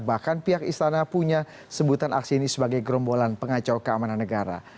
bahkan pihak istana punya sebutan aksi ini sebagai gerombolan pengacau keamanan negara